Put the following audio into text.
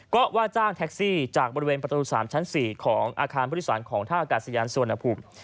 ก็ว่าจ้างแท็กซี่จากบริเวณประตู๓ชั้น๔ของอาคารผู้โดยสารของท่ากาศยานสุวรรณภูมิ